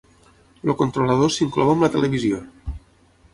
El controlador s'inclou amb la televisió.